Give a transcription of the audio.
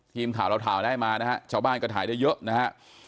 ทีมข่าวเราถ่ายได้มานะฮะชาวบ้านก็ถ่ายได้เยอะนะฮะ